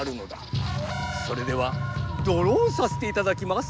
それではドロンさせていただきます。